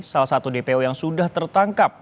salah satu dpo yang sudah tertangkap